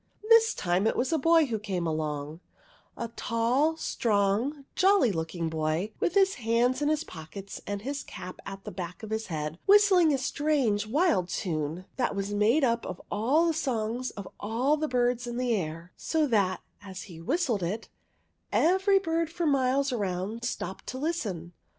This time it was a boy who came along, — a tall, strong, jolly looking boy, with his hands in his pockets and his cap at the back of his head, whistling a strange wild tune that was made up of all the songs of all the birds in the air, so that, as he whistled it, every bird for miles round stopped to listen.